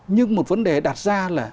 nhưng một vấn đề đặt ra là